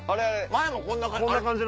前もこんな感じ。